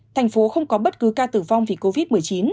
thành phố không có bất cứ ca tử vong vì covid một mươi chín